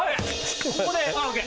ここでＯＫ。